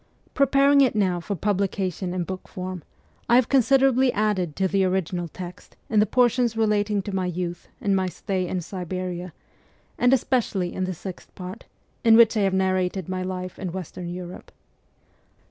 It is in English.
Pre paring it now for publication in book form, I have considerably added to the original text in the portions relating to my youth and my stay in Siberia, and especially in the Sixth Part, in which I have narrated my life in Western Europe.